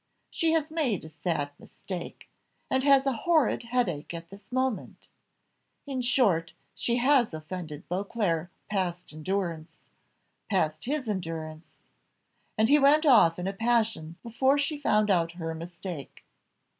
She has made a sad mistake and has a horrid headache at this moment in short she has offended Beauclerc past endurance past his endurance and he went off in a passion before she found out her mistake.